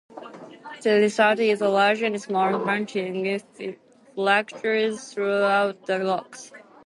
The result is large and small branching fractures throughout the rocks.